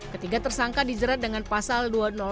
ketiga tersangka dijerat dengan pasal dua ratus tujuh